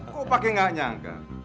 kok pake gak nyangka